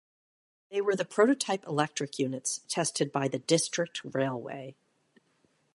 They were the prototype electric units tested by the District Railway.